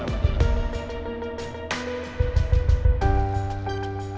mas surya tergaz sekali